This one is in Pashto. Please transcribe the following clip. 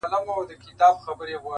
د ريښې په توګه ښيي دلته ښکاره